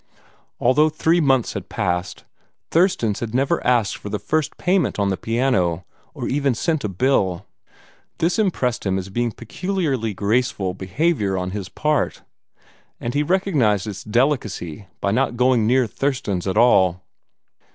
Although three months had passed, Thurston's had never asked for the first payment on the piano, or even sent in a bill. This impressed him as being peculiarly graceful behavior on his part, and he recognized its delicacy by not going near Thurston's at all.